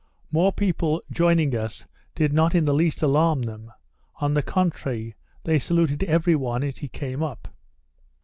More people joining us did not in the least alarm them; on the contrary, they saluted every one as he came up.